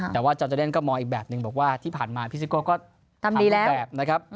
แต่ว่าจอดจะเล่นก็มองอีกแบบหนึ่งบอกว่าที่ผ่านมาพี่ซิกโกก็ทำแบบ